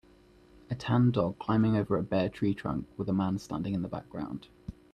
a tan dog climbing over a bare tree trunk with a man standing in the background